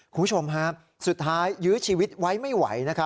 คุณผู้ชมครับสุดท้ายยื้อชีวิตไว้ไม่ไหว